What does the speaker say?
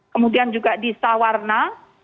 kemudian juga di sawarna